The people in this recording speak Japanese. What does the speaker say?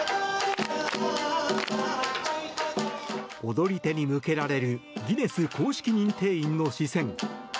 踊り手に向けられるギネス公式認定員の視線。